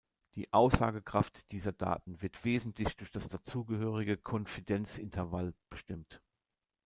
Die Aussagekraft dieser Daten wird wesentlich durch das dazugehörige Konfidenzintervall bestimmt.